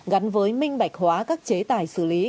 gắn với minh bạch hóa các chế tài xử lý